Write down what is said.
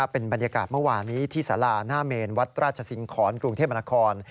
เป็นบรรยากาศเมื่อวานนี้ที่สาราหน้าเมนวัดราชสิงหอนกรุงเทพมนาคม